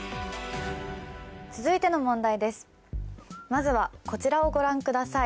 続いての問題ですまずはこちらをご覧ください